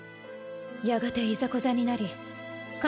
やがていざこざになり観